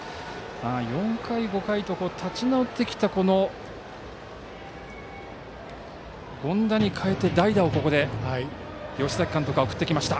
４回、５回と立ち直ってきた権田に代えて代打をここで吉崎監督は送りました。